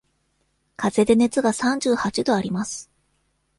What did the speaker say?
かぜで熱が三十八度あります。